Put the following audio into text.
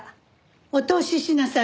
お通ししなさい。